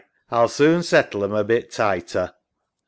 A'll soon settle 'em a bit tighter.